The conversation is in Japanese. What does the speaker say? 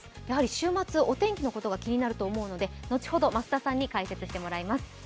週末お天気のことが気になると思うので後ほど増田さんに解説してもらいます。